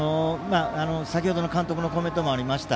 先ほどの監督のコメントもありました